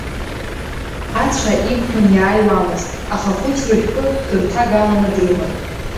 Ацәа имԥын иааиуамызт, аха хәыцра шәкы дырҭагаланы дрыман.